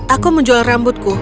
aku menjual rambutku